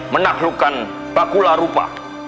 menaklukkan bakula rupa